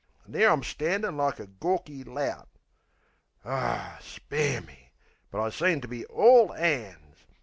An' there I'm standin' like a gawky lout. (Aw, spare me! But I seemed to be ALL 'ands!)